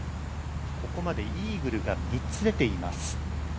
ここまでイーグルが３つ出ています。